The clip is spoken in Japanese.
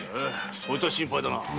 そいつは心配だなあ。